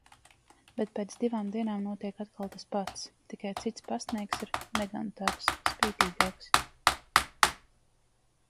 Bet pēc divām dienām notiek atkal tas pats, tikai cits pastnieks ir negantāks, spītīgāks.